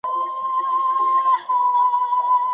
د سړي سر ګټې زياتوالى د هوساينې نښه ده.